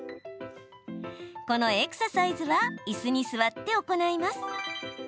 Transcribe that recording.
このエクササイズはいすに座って行います。